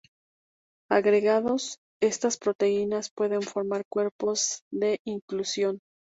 Agregados, estas proteínas pueden formar cuerpos de inclusión.